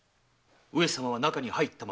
上様は中に入ったまま。